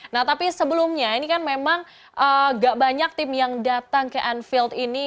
nah tapi sebelumnya ini kan memang gak banyak tim yang datang ke anfield ini